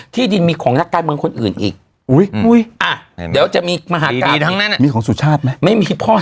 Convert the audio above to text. ที่ดินมีของหน้ากานเมืองคนอื่นอีกยังไง